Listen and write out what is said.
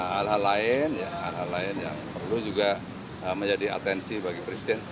hal hal lain yang perlu juga menjadi atensi bagi presiden